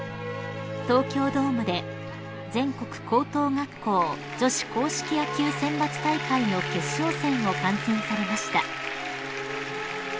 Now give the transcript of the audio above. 東京ドームで全国高等学校女子硬式野球選抜大会の決勝戦を観戦されました］